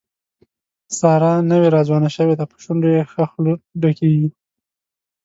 ساره نوې راځوانه شوې ده، په شونډو یې ښه خوله ډکېږي.